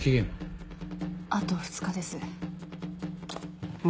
あと２日です。